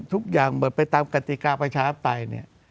ทุกอย่างหมดไปตามกฎิกาประชาติไป